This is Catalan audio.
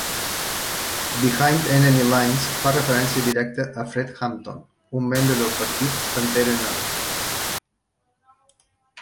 "Behind Enemy Lines" fa referència directa a Fred Hampton, un membre del Partit Pantera Negra.